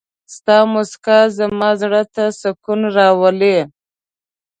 ستا مسکا زما زړه ته سکون راولي.